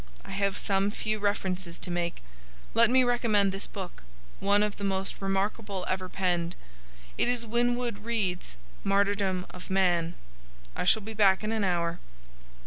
I have some few references to make. Let me recommend this book,—one of the most remarkable ever penned. It is Winwood Reade's 'Martyrdom of Man.' I shall be back in an hour."